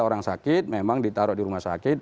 orang sakit memang ditaruh di rumah sakit